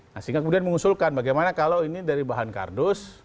nah sehingga kemudian mengusulkan bagaimana kalau ini dari bahan kardus